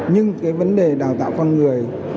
nhưng cái vấn đề đào tạo con người